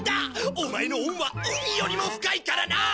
オマエの恩は海よりも深いからな！